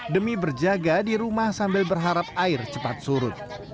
demi berjaga di rumah sambil berharap air cepat surut